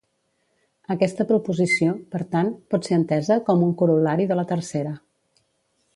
Aquesta proposició, per tant, pot ser entesa com un corol·lari de la tercera.